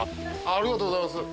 ありがとうございます。